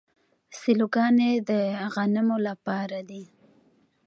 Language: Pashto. سیلوګانې د غنمو لپاره دي.